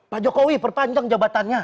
pak jokowi perpanjang jabatannya